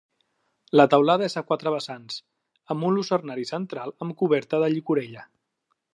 La teulada és a quatre vessants, amb un lucernari central amb coberta de llicorella.